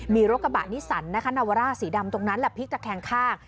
มีรถกระบะนิสันนะคะนาวาร่าสีดำตรงนั้นแหละพลิกตะแคงข้าง